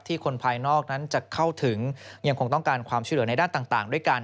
คนภายนอกนั้นจะเข้าถึงยังคงต้องการความช่วยเหลือในด้านต่างด้วยกัน